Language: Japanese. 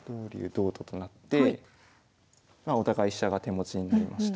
同と金となってお互い飛車が手持ちになりました。